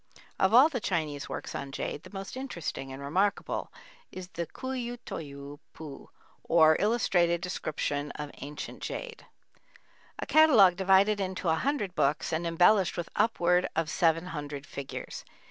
Of all the Chinese works on jade the most interesting and remarkable is the Ku yü t'ou pu or "Illustrated Description of Ancient Jade," a catalogue divided into a hundred books and embellished with upward of seven hundred figures.